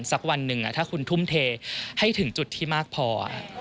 สักวันหนึ่งถ้าคุณทุ่มเทให้ถึงจุดที่มากพอ